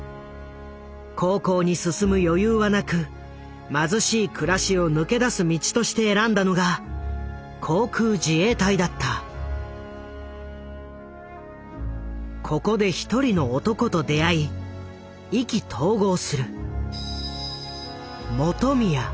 高校に進む余裕はなく貧しい暮らしを抜け出す道として選んだのがここで一人の男と出会い意気投合する。